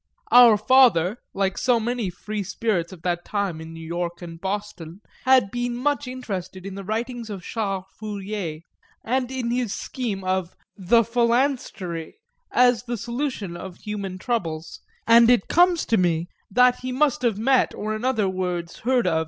Our father, like so many free spirits of that time in New York and Boston, had been much interested in the writings of Charles Fourier and in his scheme of the "phalanstery" as the solution of human troubles, and it comes to me that he must have met or in other words heard of M.